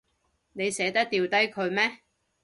你捨得掉低佢咩？